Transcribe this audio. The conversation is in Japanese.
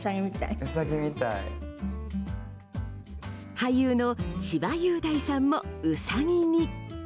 俳優の千葉雄大さんもウサギに。